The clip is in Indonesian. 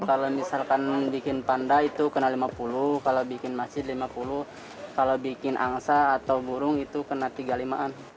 kalau misalkan bikin panda itu kena lima puluh kalau bikin masjid lima puluh kalau bikin angsa atau burung itu kena tiga puluh lima an